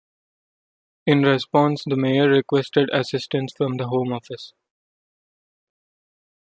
In response the Mayor requested assistance from the Home Office.